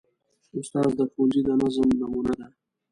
استاد د ښوونځي د نظم نمونه ده.